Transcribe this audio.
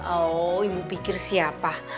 oh ibu pikir siapa